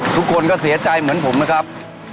ทุกคนก็เสียใจเหมือนผมนะครับ